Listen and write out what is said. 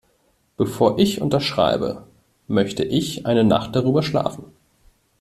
Bevor ich unterschreibe, möchte ich eine Nacht darüber schlafen.